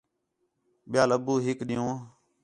ٻِیال ابو ہِک ݙِین٘ہوں